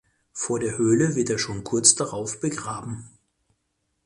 Vor der Höhle wird er schon kurz darauf begraben.